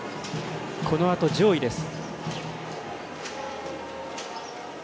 このあと上位です。